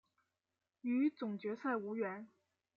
与总决赛无缘。